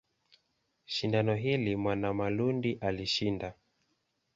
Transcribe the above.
Shindano hili Mwanamalundi alishinda.